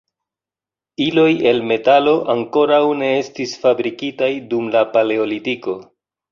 Iloj el metalo ankoraŭ ne estis fabrikitaj dum la paleolitiko.